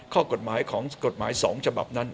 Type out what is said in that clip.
ข้อกฎหมายของกฎหมาย๒ฉบับนั้น